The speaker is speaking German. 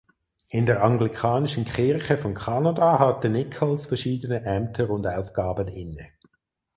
In der Anglikanischen Kirche von Kanada hatte Nicholls verschiedene Ämter und Aufgaben inne.